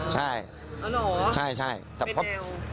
อ๋อเหรอเป็นเดียวใช่แต่พบ